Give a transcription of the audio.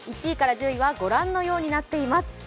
１位から１０位は御覧のようになっています。